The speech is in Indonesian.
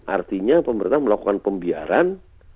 artinya pemerintah melakukan pembiaran